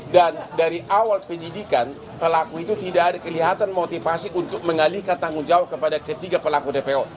dan dari awal pendidikan pelaku itu tidak ada kelihatan motivasi untuk mengalihkan tanggung jawab kepada ketiga pelaku dpo